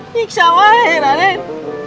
hah ikut saja raden